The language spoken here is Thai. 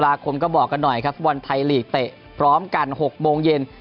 คมก็บอกกันหน่อยครับฟุตบอลไทยลีกเตะพร้อมกัน๖โมงเย็น